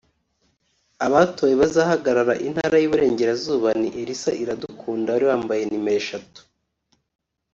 Abatowe bazahagararira Intara y’Uburengerazuba ni Elsa Iradukunda wari wambaye nimero eshatu